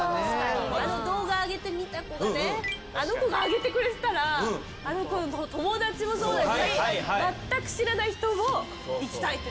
あの動画上げてくれた子がね、あの子が上げてくれてたら、あの子の友達もそうですし、全く知らない人も行きたいってな